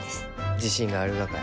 自信があるがかえ？